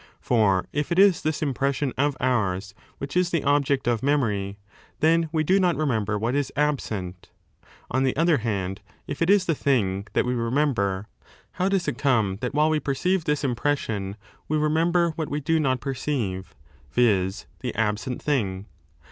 For if it is this impression of ours which ia the object of memory, then we do not remember what is absent On the other band, if it is the thing that we remember, how does it come that while we perceive this impression we remember what we do not perceive, viz, the absent thing?